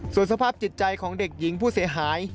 ส่วนสภาพจิตใจของเด็กหญิงผู้เสียหาย